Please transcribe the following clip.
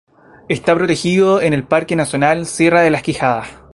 Está protegido en el parque nacional Sierra de las Quijadas.